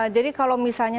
jadi kalau misalnya